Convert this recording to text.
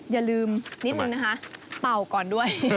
อย่าลืมนิดนึงนะคะเป่าก่อนด้วย